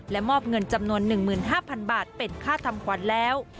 มอบเงินจำนวน๑๕๐๐๐บาทเป็นค่าทำขวัญแล้ว